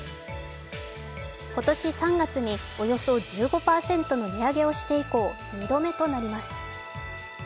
今年３月におよそ１５％の値上げをして以降、２度目となります。